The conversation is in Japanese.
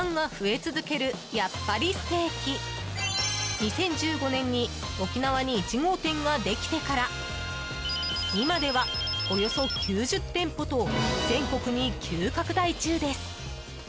２０１５年に沖縄に１号店ができてから今ではおよそ９０店舗と全国に急拡大中です。